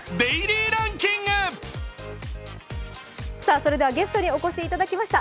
それではゲストにお越しいただきました。